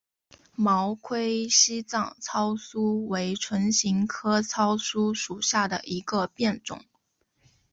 毛盔西藏糙苏为唇形科糙苏属下的一个变种。